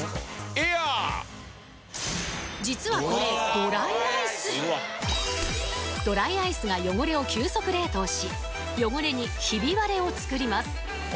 エア実はこれドライアイスが汚れを急速冷凍し汚れにひび割れを作ります